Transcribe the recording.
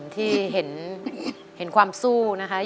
ต้องพาสนบรรย์